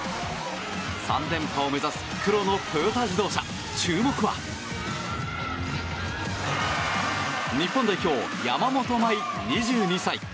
３連覇を目指す、黒の豊田自動車注目は日本代表山本麻衣、２２歳。